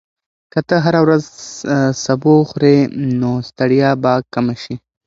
که ته هره ورځ سبو وخورې، نو ستړیا به کمه شي.